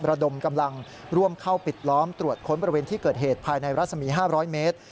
ระดมกำลังร่วมเข้าปิดล้อมตรวจค้นบริเวณที่เกิดเหตุภายในรัศมี๕๐๐เมตร